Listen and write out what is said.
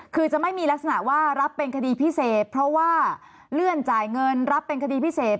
คือจะไม่มีลักษณะว่ารับเป็นคดีพิเศษเพราะว่าเลื่อนจ่ายเงินรับเป็นคดีพิเศษ